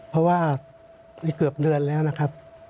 เพราะว่าในเกือบเดือนแล้วนะครับ